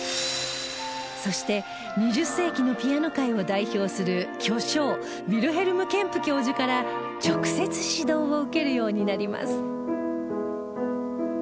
そして２０世紀のピアノ界を代表する巨匠ヴィルヘルム・ケンプ教授から直接指導を受けるようになります